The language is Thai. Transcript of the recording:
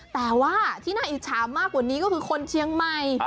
แต่ว่าที่น่าอิจฉามากกว่านี้ก็คือคนเชียงใหม่